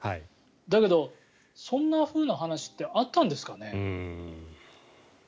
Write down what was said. だけど、そんなふうな話ってあったんですかね。